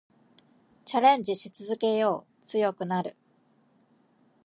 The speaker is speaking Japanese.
チャレンジし続けよう。強くなる。